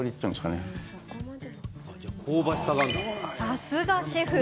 さすがシェフ。